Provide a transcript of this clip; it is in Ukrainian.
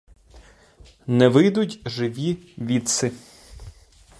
Не вийдуть живі відси.